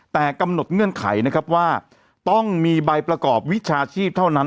แต่กำหนดเงื่อนไขนะครับว่าต้องมีใบประกอบวิชาชีพเท่านั้น